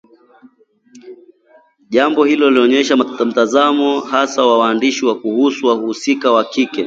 Jambo hili linaonyesha mtazamo hasi wa mwandishi kuwahusu wahusika wa kike